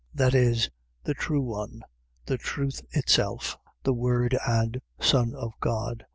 . .that is, the true one, the Truth itself; the Word and Son of God.